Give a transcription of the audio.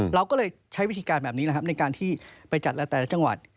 เราก็เลยใช้วิธีการแบบนี้นะครับในการที่ไปจัดแล้วแต่ละจังหวัด